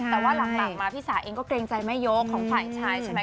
แต่หลังมาพี่รักก็เกรงใจไม่ยกของฝ่ายชาย